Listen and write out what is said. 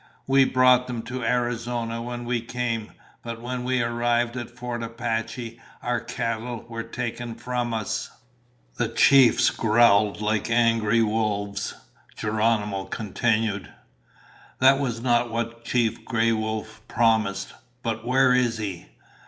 We brought them to Arizona when we came. But when we arrived at Fort Apache, our cattle were taken from us." The chiefs growled like angry wolves. Geronimo continued: "That was not what Chief Gray Wolf promised, but where is he?